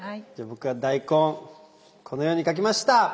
じゃあ僕は大根このように描きました。